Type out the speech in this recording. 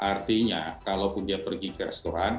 artinya kalaupun dia pergi ke restoran